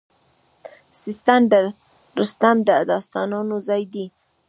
سیستان د رستم د داستانونو ځای دی